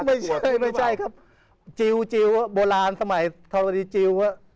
ไม่ใช่ไม่ใช่ครับจิวจิวโบราณสมัยธรรมดีจิวอ่ะ